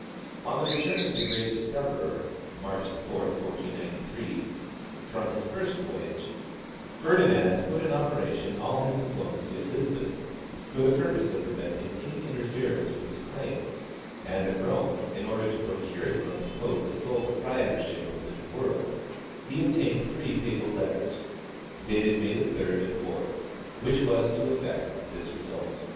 On the return of the great discoverer (March 4, 1493) from his first voyage, Ferdinand put in operation all his diplomacy at Lisbon for the purpose of preventing any interference with his claims, and at Rome, in order to procure from the pope a sole proprietorship of the new world, he obtained three papal letters, dated May 3d and 4th, which was to effect this result.